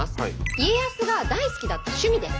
家康が大好きだった趣味です。